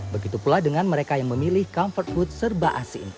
begitu pula dengan mereka yang memilih comfort food serba asin